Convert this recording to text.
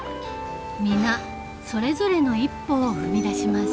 皆それぞれの一歩を踏み出します。